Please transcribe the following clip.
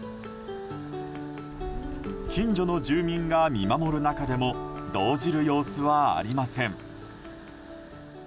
近所の住民が見守る中でも動じる様子はありません。